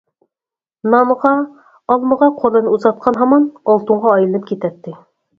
نانغا، ئالمىغا قولىنى ئۇزاتقان ھامان ئالتۇنغا ئايلىنىپ كېتەتتى.